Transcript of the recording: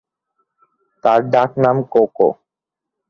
তার ডাকনাম কোকো।